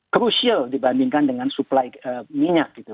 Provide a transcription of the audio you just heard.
crucial dibandingkan dengan supply minyak gitu